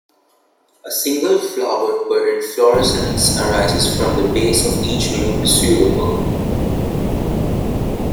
A single flower per inflorescence arises from the base of each new pseudobulb.